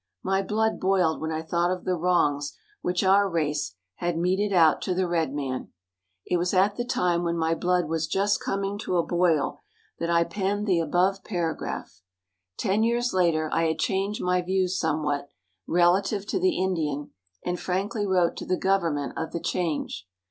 My blood boiled when I thought of the wrongs which our race had meted out to the red man. It was at the time when my blood was just coming to a boil that I penned the above paragraph. Ten years later I had changed my views somewhat, relative to the Indian, and frankly wrote to the government of the change.